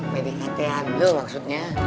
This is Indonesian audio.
pdkt agel maksudnya